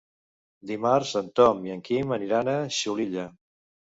Dimarts en Tom i en Quim aniran a Xulilla.